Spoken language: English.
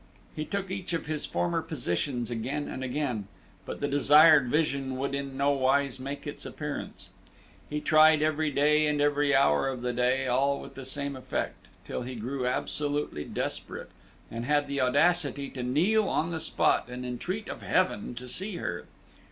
He took each of his former positions again and again, but the desired vision would in no wise make its appearance. He tried every day and every hour of the day, all with the same effect, till he grew absolutely desperate, and had the audacity to kneel on the spot and entreat of Heaven to see her.